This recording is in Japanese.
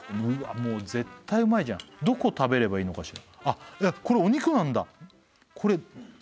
もう絶対うまいじゃんどこ食べればいいのかしら